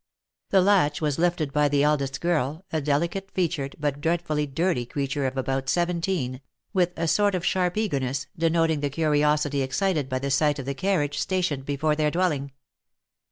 The latch was lifted by the eldest girl, a delicate featured, but dreadfully dirty creature of about seventeen, with a sort of sharp eagerness, denoting the curiosity excited by the sight of the carriage stationed before their dwelling.